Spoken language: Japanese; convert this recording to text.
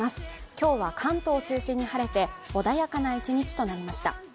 今日は関東を中心に晴れて穏やかな一日となりました。